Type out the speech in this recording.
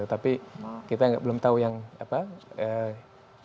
tapi kita belum tahu yang apa